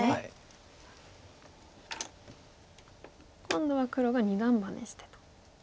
今度は黒が二段バネしてと。